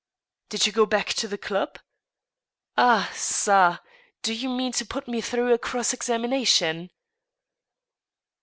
" Did you go back to the club ?" Ah/ (a, do you mean to put me through a cross examina tion?"